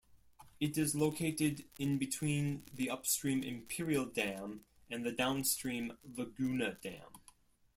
It is located in between the upstream Imperial Dam and the downstream Laguna Dam.